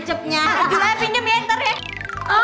jual aja pinjem ya ntar ya